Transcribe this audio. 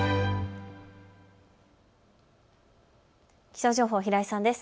気象情報、平井さんです。